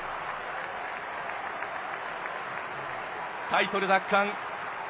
タイトル奪還。